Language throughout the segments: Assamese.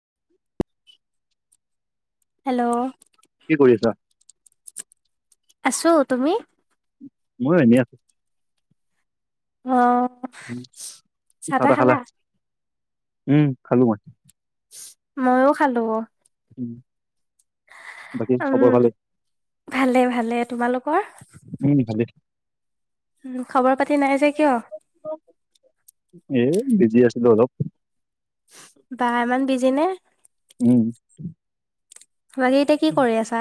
[inaudible] হেল্ল' কি কৰি আছা? আছো তুমি? মই এনেই আছো। অ' চাহ চা তাহ টা খালা? উম খালো মই। ময়ো খালো। [inaudible] উম ভালেই? ভালে ভালে, তোমালোকৰ? উম ভালে। খবৰ পাতি নাই যে কিয়? এই বিজি আছিলো অলপ। বা ইমান বিজি নে? উম বাকী এতিয়া কি কৰি আছা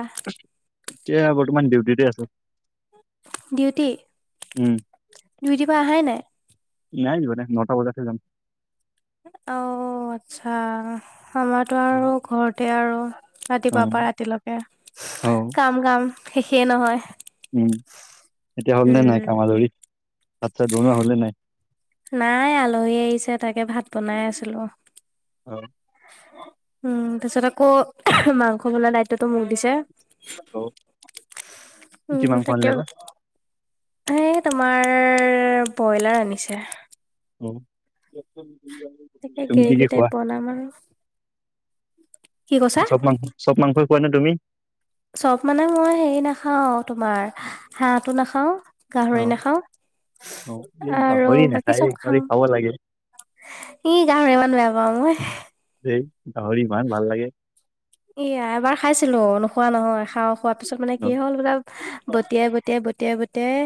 এতিয়া বৰ্তমান ডিউটিতে আছোঁ। ডিউটি, ডিউটিৰ পৰা আহাই নাই? নাই যোৱা নাই নটা বজাতহে যাম। অ' আচ্ছা, আমাৰতো আৰু [inaudible] ঘৰতে আৰু অ ৰাতিপুৱা পৰা ৰাতিলৈকে অ কাম কাম শেষেই নহয়। উম এতিয়া হ'ল নে নাই উম কাম আজৰি, ভাত চাত বনোৱা হ'ল নে নাই? নাই আলহী আহিছে তাকে ভাত বনাই আছিলোঁ। [inaudible] উম তাৰপিছত আকৌ মাংস বনোৱা দায়িত্বটো মোক দিছে। অ কি উম মাংস আনিলা তাকে বা? এ তোমাৰ ব্ৰইলাৰ আনিছে। [inaudible] তাকে কি কি গ্ৰেভি খোৱা? টাইপ বনাম আৰু, কি কৈছা? চব মাংস চব মাংসই খোৱা নে তুমি? চব মানে মই হেৰি নাখাও তোমাৰ হাঁহটো নাখাওঁ। অ, গাহৰি নাখাওঁ অ, এই আৰু গাহৰি বাকী নাখায়, চব গাহৰি খাওঁ। খাব লাগে। ই গাহৰি ইমান বেয়া পাওঁ মই। ধেই গাহৰি ইমান ভাল লাগে। এ এবাৰ খাইছিলো নোখোৱা নহয়। খাওঁ খোৱা পিছত মানে কি হ'ল কা অ, বতিয়াই, বতিয়াই, বতিয়াই, বতি [unintelligible]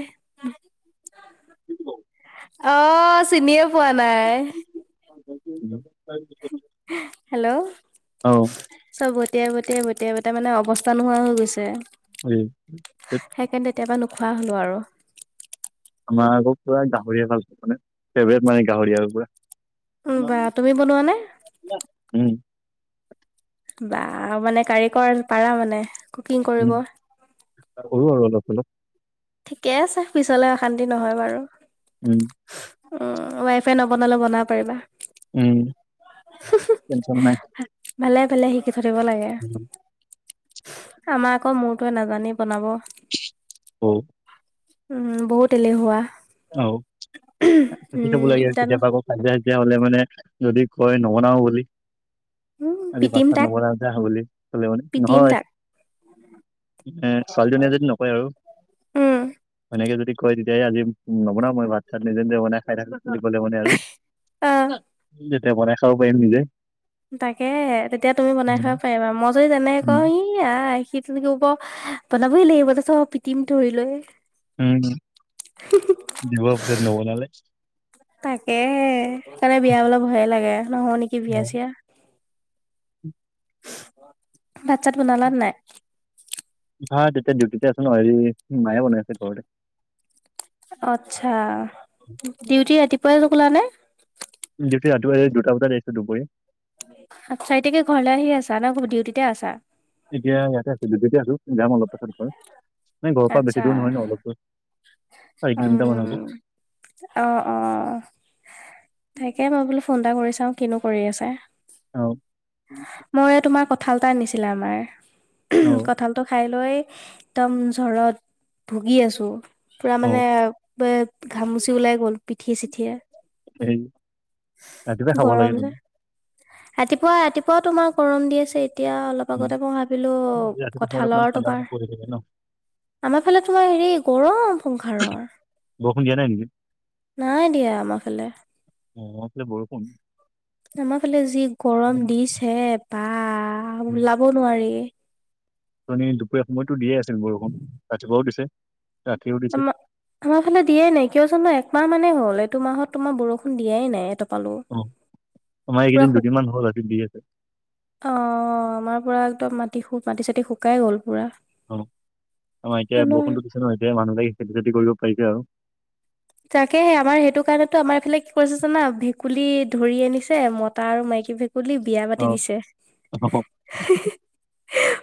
উম। অ' চিনিয়ে পোৱা নাই। [unintelligible] হেল্ল' [inaudible] চব বতিয়াই বতিয়াই বতিয়াই বতিয়াই মানে অৱস্থা নোহোৱা হৈ গৈছে। [unintelligible] সেইকাৰণে তেতিয়াবা নোখোৱা হ'লো আৰু। আমাৰ আকৌ পুৰা গাহৰিয়ে ভাল পাওঁ মানে ফেভৰেট মানে গাহৰি আৰু পুৰা। বা তুমি বনোৱা নে? উম বা মানে কাৰিকৰ পাৰা মানে কুকিং উম কৰিব? কৰো আৰু অলপ চলপ। ঠিকে আছে পিছলে অশান্তি নহয় বাৰু। উম। ৱাইফে নবনালেও বনাব পাৰিবা। উম, টেঞ্চন নাই। ভালেই, ভালেই শিকি থৈ দিব লাগে। উম। আমাৰ আকৌ মোৰতোয়ে নাজানেই বনাব। ও'। উম, বহুত এলেহুৱা। অ' শিকি থ'ব উম লাগে আৰু, জানো কেতিয়াবা আকৌ কাজিয়া চাজিয়া হ'লে মানে যদি কয় নবনাওঁ বুলি। উম আজি ভাত পিটিম তাত তাক নবনাও যা বুলি ক'লে মানে, পিটিম নহয় তাক এ ছোৱালীজনীয়ে যদি নকয় আৰু। উম সেনেকে যদি কয়, তেতিয়াহে আজি নবনাওঁ মই ভাত চাত নিজে নিজে বনাই খাই থাক বুলি কলে মানে আৰু অ তেতিয়া বনাই খাব পাৰিম নিজে। তাকে তেতিয়া তুমি বনাই উম খাব পাৰিবা। মই যদি তেনেকে উম কওঁ ই ই আই সি তেনেতে ক'ব বনাবই লাগিব, তাৰপিছত পিটিম ধৰি লৈ উম, দিব পিছত নবনালে। তাকেহে, সেইকাৰণে বিয়া বুলি কলে ভয়ে লাগে, নহওঁ নেকি বিয়া চিয়া। উ [unintelligible] ভাত ছাত বনালানে নাই? ভাত এতিয়া ডিউটিতে আছো নহয়, হেৰি মায়ে বনাই আছে ঘৰতে। আচ্ছা, ডিউটি ৰাতিপুৱাই গ'লা নে! ডিউটি ৰাতিপুৱা যাই দুটা বজাত আহিছো দুপৰীয়া। চাৰিতাৰিখে ঘৰলে আহি আছা নে ডিউটিতে আছা? এতিয়া ইয়াতে আছো ডিউটিতে আছো যাম অলপ পিছ নাই ঘৰৰ পৰা আচ্ছা বেছি দূৰ নহয় ন, অলপ দূৰ চাৰি কিলোমিটাৰ মান হ'ব। উম অ', অ'। তাকে মই বোলো ফোন এটা কৰি চাওঁ কিনো কৰি আছে। অ'। ময়ে তোমাৰ কঁঠাল এটা আনিছিলে আমাৰ। অ'। কঁঠালটো খাই লৈ একদম জ্বৰত ভুগি আছো। পুৰা মানে অ', পে ঘামুচি ওলাই গ'ল পিঠিয়ে চিঠিয়ে। এই ৰাতিপুৱাই খাব গৰম লাগে যে। তুমি। ৰাতিপুৱা ৰাতিপুৱাও তোমাৰ গৰম দি আছে। এতিয়া অলপ লগতে মই ভাবিলো কঠাঁলৰ তোমাৰ দিলেগে ন? আমাৰ ফালে তোমাৰ হেৰি গৰম সংসাৰৰ। বৰষুণ দিয়া নাই নেকি? নাই দিয়া আমাৰ ফালে। উম, আমাৰ এই ফালে বৰষুণ। আমাৰ ফালে যি গৰম দিছে বা উম, ওলাব নোৱাৰি। অথনি দুপৰীয়া সময়তো দিয়ে আছিল বৰষুণ, ৰাতিপুৱাও দিছে ৰাতিও দিছে। আমা আমাৰ ফালে দিয়াই নাই কিয় জানো একমাহ মানেই হ'ল? এইটো মাহত তোমাৰ বৰষুণ দিয়াই নাই এটোপালো। উম' আমাৰ এইকেইদিন দুদিনমান হ'ল ইয়াতে দি আছে। অঁ আমাৰ পুৰা একদম মাটি শু মাটি চাটি শুকাই গ'ল পুৰা। অঁ আমাৰ এতিয়া জানো বৰষুণতো দিছে ন এতিয়া মানুহবিলাকে খেতি চেতি কৰিব পাৰিছে আৰু। তাকেহে, আমাৰ সেইটো কাৰণেতো আমাৰ এইফালে কি কৰিছে জানা ভেকুলী ধৰি আনিছে মতা আৰু মাইকী ভেক- কুলী ‌ বিয়া অ পাতি দিছে। অ হেঁ হেঁ।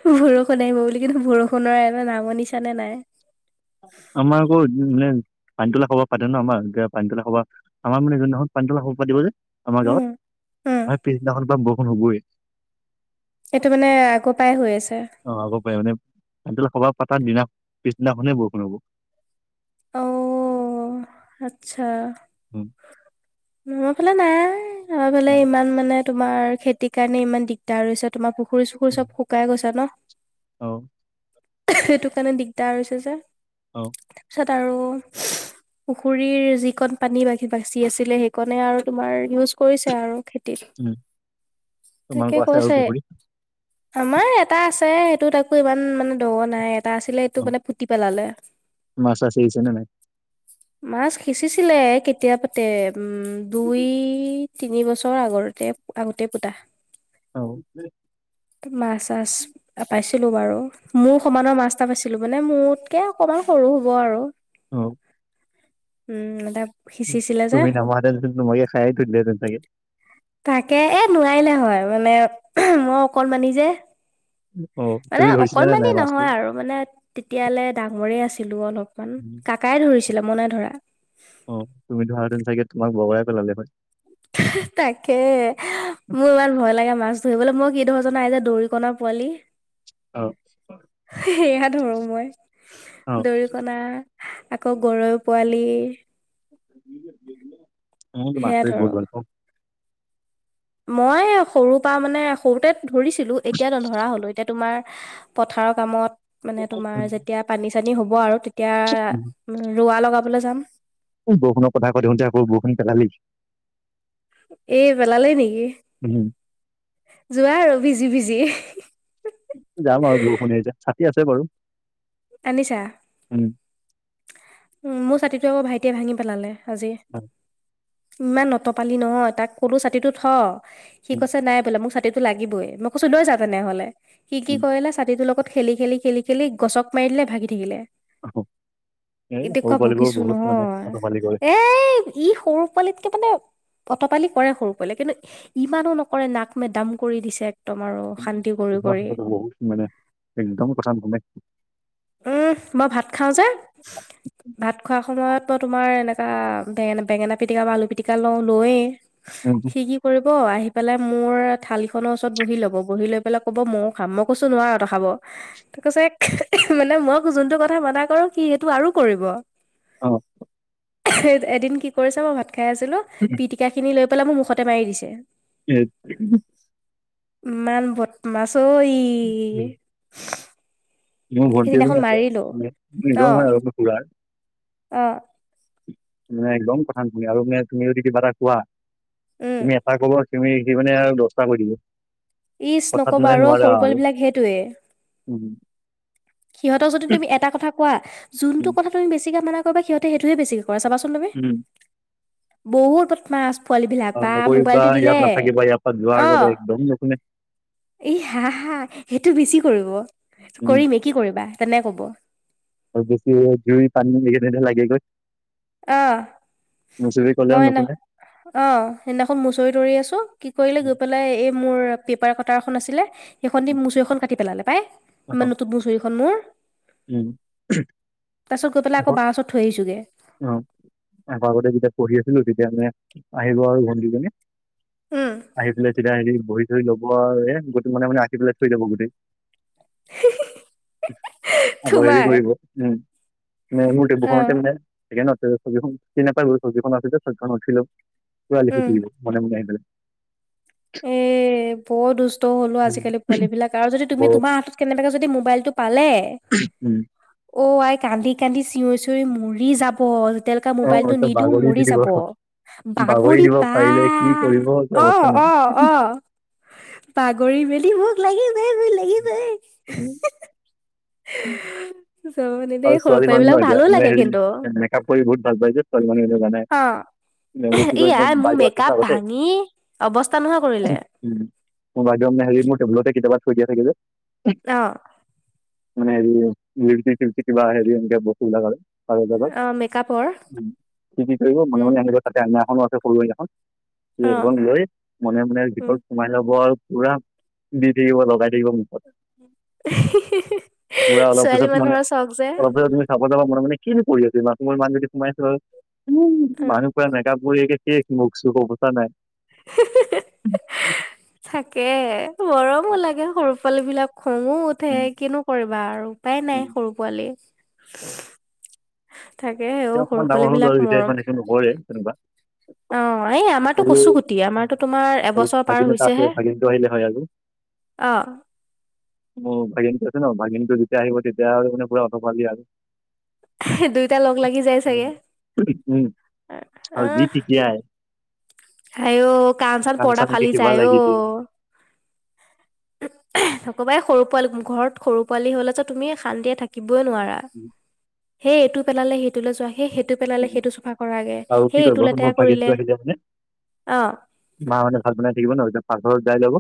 বৰষুণ আহিব বুলি, কিন্তু বৰষুণৰ একো নামনিছানে নাই। আমাৰ আকৌ মানে পানীতোলা সবাহ পাতে ন আমাৰ পানীতোলা সবাহ। আমাৰ মানে যোনদিনাখন পানীতোলা সবা পাতিব যে আমাৰ গাঁৱত উম উম তাৰ পিছদিনাখন পা বৰষুণ হ'বই। এইটো মানে আগ পাই হৈ আছে। অঁ আগ পাই মানে পানীতোলা পানিটোলা সভা পতা দিনা পিছদিনাখনেই বৰষুণ হ'ব। অও' আৎচ্ছা। উম'। আমাৰ ফালে নাই, আমাৰ ফালে উম, ইমান মানে তোমাৰ খেতিৰ কাৰণে ইমান দিগ- দাৰ হৈছে তোমাৰ পুখুৰী চুখুৰী উম। চব শুকাই গৈছে ন। অ'। সেইটো কাৰণে দিগদাৰ হৈছে যে। অঁ'। তাপিছত আৰু- পুখুৰীৰ যি কণ পানী বা বাচি আছিলে, সেইকণে আৰু তোমাৰ ইউজ কৰিছে আৰু খেত- তিত, উম তাকে তোমালোকৰ আছে আৰু কৈছে- পুখুৰী আমাৰ এটা আছে সেইটোত আকৌ ইমান মানে দ নাই, এটা আছিলে সেইটো অ মানে পুতি পেলালে। মাছ চাছ আহিছে নে নাই? মাছ সিঁচিছিলে কেতিয়াবাতে উম দুই তিনি বছৰৰ আগৰতে- আগতেই পুতা। অঁও এ। মাছ চাছ পাইছিলো বাৰু, মোৰ সমানৰ মাছ- এটা পাইছিলো, মানে মোতকে অকমান সৰু হ'ব আৰু। অঁ'। উম' মানে- তুমি নামা হেতেন চুন তোমাকে খাই থৈ দিলে হেতেন চাগে? তাকে এ নোৱাৰিলে হয়, মানে মই অকণ মানি যে। অ' মানে তুমি ধৰিছিলানে অকণমানি নাই নহয় মাছটো? আৰু মানে তেতিয়ালে ডাঙৰেই আছিলো অলপমান, উম, কাকাই ধৰিছিলে মই নাই ধৰা। অঁ তুমি ধৰা হেতেন চাগে, তোমাক বগৰাই পেলালে হয়। তাকে, মোৰ ইমান ভয় লাগে মাছ ধৰিবলে, মই কি ধৰো জানা এই যে দৌৰিকণা পোৱালি। [unintelligible] অ'। সেয়া ধৰো মই, অ দৰিকনা- আকৌ গৰৈ পোৱালি- মই টো মাছ সেয়া ধৰি ধৰো বহুত ভাল পাওঁ। মই সৰুৰ পৰা মানে সৰুতে ধৰিছিলো এতিয়া নধৰা হ'লো, এতিয়া তোমাৰ- পথাৰৰ কামত- মানে তোমাৰ উম যেতিয়া পানী চানী হ'ব আৰু তেতিয়া উম। ৰোৱা লগাবলৈ যাম। বৰষুণৰ কথা কৈ থাকোঁতে আকৌ বৰষুণ পেলালেই। এ পেলালেই নেকি উম যোৱা আৰু ভিজি ভিজি। যাম আৰু বৰষুণ এৰিলে ছাতি আছে বাৰু। আনিছা। উম উম মোৰ ছাতিটোৱে আকৌ ভাইটিয়ে ভাঙি পেলালে আজি। হয়। ইমান অতপালি নহয় তাক কোলো ছাতিটো থ সি উম কৈছে নাই বোলো মোক ছাতি এটো লাগিবই মই কৈছো লৈ যা তেনেহলে সি কি উম কৰিলে ছাতিটোৰ লগত খেলি খেলি খেলি খেলি গছক মাৰি দিলে ভাঙি থাকিলে। অ। এনেকোৱা বকিছো অতপালি কৰে নহয় এ ই সৰু পোৱালিকে মানে অতপালি কৰে সৰু পোৱালিয়ে কিন্তু ইমানো নকৰে নাক মে দম কৰি দিছে তোমাৰো উম, উম। শান্তি কৰি কিছুমান কৰি ক্ষেত্ৰত বহুত মানে একদম কথা নুশুনে উম মই ভাত খাওঁ যে ভাত খোৱাৰ সময়ত মই তোমাৰ এনেকুৱা বেঙেনা বেঙেনা পিটিকা বা আলু পিটিকা লওঁ লৈয়েই উ সি কি কৰিব আহি পেলাই মোৰ থালিখনৰ ওচৰত বহি ল'ব বহি লৈ পেলাই ক'ব মও খাম মই কৈছো নোৱাৰো ত খাব তই কৈছে মানে মই যোনটো কথা মানা কৰো সি সেইটো আৰু কৰিব অ এদিন কি কৰিছে মই ভাত খাই আছিলোঁ উম পিটিকাখিনি লৈ পেলাই মোৰ মুখতে মাৰি দিছে এই ইমান বদ মাছ অ ই মোৰ ভণ্টি এজনী আছে মাৰিলো নিজৰ অ নহয় আৰু খুৰাৰ অ নাই একদম কথা নুশুনে আৰু মানে তুমি যদি কিবা এটা কোৱা তুমি উম এটা কৰবা তুমি সি মানে আৰু দহটা কৈ দিব ইচ কথাত নক'বা আৰু সৰু পোৱালিবিলাক সেইটোৱে হয় সিহঁৰ যদি তুমি এটা কথা কোৱা যোনটো উম কথা তুমি বেছিকে মানা কৰিবা সিহঁতে সেইটোহে বেছি কৈ চাবাচোন তুমি উম বহুত বতমাছ পোৱালী বিলাক অ বা নকৰিবা মোবাইলটো ইয়াত দিলে নাথাকিবা ইয়াৰ পৰা যোৱাৰ অ আগতে একদম নুশুনে ই হা হা সেইটো বেছি কৰিব উম কৰিমে কি কৰিবা তেনে কব আৰু বেছি জুই পানী সেইখিনিত হে লাগে গৈ অ নুচুবি কলেও মই ন নুশুনে অ সেইদিনাখন মুচৰি ধৰি আছো কি কৰিলে গৈ পেলাই এই মোৰ পেপাৰ কটাৰ এখন আছিলে সেইখন দি মু চৰিখন কাটি পেলালে পাই ইমান উম নতুন চুৰিখন মোৰ উম, তাৰ পিছত গৈ পেলাই আকৌ বাৰ ওচৰত থৈ আহিছো গৈ অ আগতে যেতিয়া পঢ়ি আছিলো তেতিয়া মানে আহিব আৰু ভণ্টিজনী উম আহি পেলাই চিধাই হেৰি বহি ধৰি লব আৰু এ গোটেই মানে মানে আকি পেলাই থৈ যাব গোটেই আব হেৰি তোমাৰ কৰিব উম মানে মোৰ টেবুল অ খনতে মানে [unintelligible] চকীখন ঢোকি নাপাই চকীখন আছিল যে চকীত উঠিল পোৰা লিখি উম থাকিব মনে মনে আহি পেলাই এ বৰ দুষ্ট হ'ল অ উম আজি-কালি পোৱালী বিলাক আৰু যদি তুমি আকৌ তোমাৰ কেনেবাকে যদি ম'বাইল টো পালে উম অ আই কান্দি কান্দি চিঞৰি চিঞৰি মৰি যাব যেতিয়ালৈকে অ মোবাইলটো অ নিদিও বাগৰি দি মৰি দিব যাব বাগৰি দিব পা পাৰিলে কি কৰিব অ অ অ [unintelligible] বাগৰি মেলি মোক লাগি বৈ মোক লাগি বৈ উম আৰু সৰু ছোৱালী পোৱালী বিলাক মানুহ এতিয়া ভালো মানে লাগে কিন্তু। হেৰি মেকাপ কৰি বহুত ভাল পাইছে ছোৱালী মানুহ জানাই অ'। ই আই মোৰ মেকআপ [unintelligible] ভাঙি অৱস্থা নোহোৱা কৰিলে উ মোৰ বাইদেউ হেৰি মোৰ টেবুলতে কেতিয়াবা থৈ দিয়া থাকে যে অ মানে হেৰি লিপষ্টিক চিপছষ্টিক কিবা হেৰি এনেকে বস্তু বিলাক কৰে মেকআপৰ [unintelligible] কি কি কৰিব মনে মনে অ' আহিব তাতে আইনা খনো আছে সৰু আইনাখন সি সেইখন লৈ মনে মনে উম। ভিতৰত সোমাই ল'ব আৰু পুৰা দি থাকিব লগাই থাকিব মুখত এহ হে হে পুৰা অলপ ছোৱালী পিছত মানে মানুহৰ চখ যে অলপ তুমি চাব যাবা মনে মনে কিনো কৰি আছে ইমান সময় মানুহজনি সোমাই আছে উম বাহিৰত পুৰা মেকআপ কৰি একে শেষ মুখ চুখ অৱস্থা নাই। হি হি [inaudible] তাকে মৰমো লাগে সৰু পোৱালি বিলাক খং ও উঠে কিনো কৰিবা আৰু। উপাই উম, নাই সৰু পোৱালি। থাকে ঔ সৰু পোৱালিবিলাক মৰম কৰে তেনেকুৱা অ এই আমাৰতো আৰু কচু গুটি আমাৰতো তোমাৰ আৰু এবছৰ পাৰ ভাগিন এটা আছে হৈছেহে ভাগিনটো আহিলে হয় আৰু অ অ ভাগিনীটো আছে ন ভাগিনীটো যেতিয়া আহিব তেতিয়া মানে পোৰা অতপালি আৰু এহহে দুইটাই লগ লাগি যায় চাগে উম আৰু যি আহ টিকিয়াই আইও কান চান কাণ পৰ্দা চানকে ফালি কিবা যায় ঔ লাগি দিয়ে একেবাৰে সৰু পোৱালি ঘৰত সৰু পোৱালি হ'লে ত' তুমি শান্তিয়ে থা কিবই নোৱাৰা, সেই এইটো পেলালে সেইটোলৈ চোৱা সেই সেইটো পেলালে সেইটো চাফা কৰাগে আৰু সেই কি এইটো কৰিব মোৰ লেতেৰা ভাগিনটো কৰিলে আহিলে মানে অ মা হতে ভাত বনাই থাকিব ন যেতিয়া পাকঘৰত যাই লব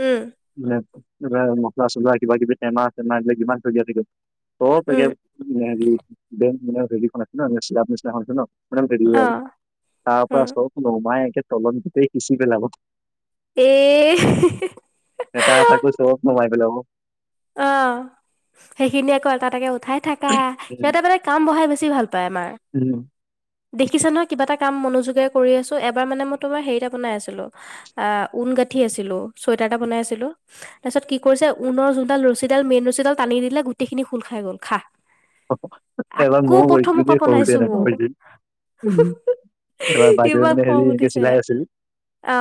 উম মছলা চছলা কিবা কিবি টেমা চেমা এইবিলাক কিমান দলিয়াই থাকে চব একে উম হেৰি বেঞ্চ বিলাক হেৰি হৈ আছে [unintelligible] [unintelligible] আৰু অ' তাৰ পৰা উম। চব নমাই একে তলত গোটেই সিঁচি পেলাব এ হি হি এটা এটাকৈ চবক নমাই পেলাব অ সেইখিনি আকৌ এটা এটাকে উঠাই থাকা উম, সিহঁতে মানে কাম বঢ়াই বেছি ভাল পায় আমাৰ। উম দেখিছে নহয় কিবা এটা কাম মনোযোগেৰে কৰি আছো, এবাৰ মানে মই তোমাৰ হেৰি এটা বনাই আছিলো আহ উল গাঁঠি আছিলো চুৱেটাৰ এটা বনাই আছিলো। তাৰপিছত কি কৰিছে উলৰ যোনডাল ৰছীডাল মেইন ৰছীডাল টানি দিলে গোটেইখিনি খোল খাই গ'ল খা। এইবাৰ আকৌ মইয়ো প্ৰথম কৰিছিলো পৰা দেই সৰুতে বনাইছো এনেকুৱা হৈছিল এবাৰ বাইদেউয়ে ইমান মানে খং হেৰি এনেকে উঠিছে চিলাই আছিল। অ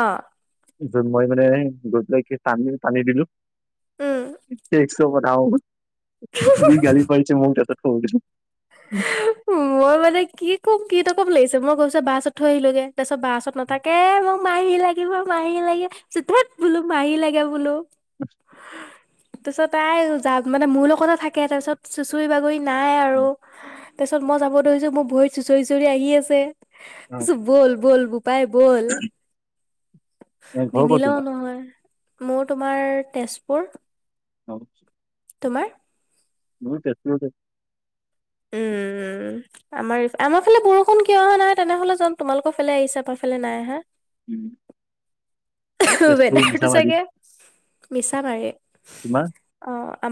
তাৰপিছত মই মানে গোটেইখিনি [unintelligible] টানি দিলো উম তাৰপিছত যি গালি পাৰিছে মোক সৰুতে মই মানে কি কম কি নকম লাগিছে মই তাৰপিছত বা ওচৰত থৈ আহিলোগে। তাৰপিছত বা ওচৰত নাথাকে মোক মাহী লাগিব মাহী লাগে, ধেৎ বোলো মাহী লাগে বোলো [inaudible] তাৰপিছত তাই যা মানে মোৰ লগতে থাকে তাৰপিছত চুচুৰি বাগৰি নাই আৰু [unintelligible] তাৰপিছত মই যাব ধৰিছো মোৰ ভৰিত চুঁচৰি চুঁচৰি আহি আছে, অ', কৈছো বল বল বো পাই বল ঘৰ ক'ত নিনিলেও তোমাৰ? নহয়। মোৰ তোমাৰ তেজপুৰ। [unintelligible] তোমাৰ? [unintelligible] উম উম উম আমাৰ আমাৰ ফালে বৰষুণ কিয় অহা নাই তেনেহলেচোন তোমালোকৰ ফালে আহিছে আমাৰ ফালে নাই আহা। উম [unintelligible] সেইতো মিছামাৰী। চাগে মিছা ভাগে তোমাৰ অ আমাৰ